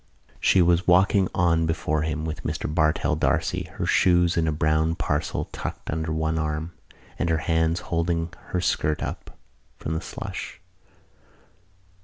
She was walking on before him with Mr Bartell D'Arcy, her shoes in a brown parcel tucked under one arm and her hands holding her skirt up from the slush.